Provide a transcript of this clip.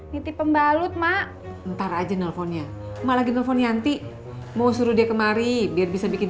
nitip pembalut mak ntar aja nelfonnya malah nelfon yanti mau suruh dia kemari biar bisa bikin